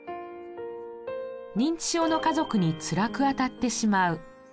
認知症の家族につらくあたってしまう。